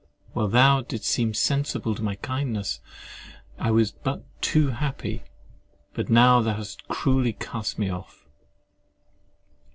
While thou didst seem sensible of my kindness, I was but too happy: but now thou hast cruelly cast me off.